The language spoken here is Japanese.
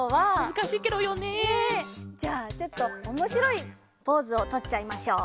じゃあちょっとおもしろいポーズをとっちゃいましょう。